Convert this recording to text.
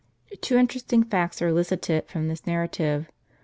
Two interesting facts are elicited from this narrative.